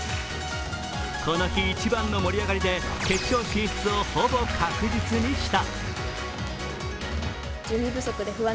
この日一番の盛り上がりで決勝進出をほぼ確実にした。